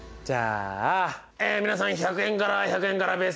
じゃあえ皆さん１００円から１００円から。